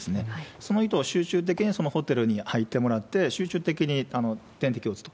その人を集中的にそのホテルに入ってもらって、集中的に点滴を打つと。